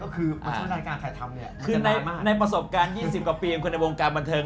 คือในประสบการณ์๒๐กว่าปีของคุณในวงการบันเทิง